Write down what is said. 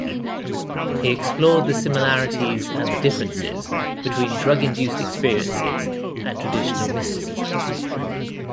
He explored the similarities and the differences between drug-induced experiences and traditional mysticism.